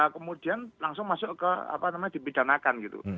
kemudian ini langsung masuk ke dipidanakan